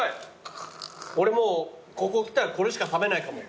俺もうここ来たらこれしか食べないかも。